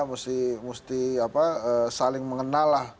mesti saling mengenal lah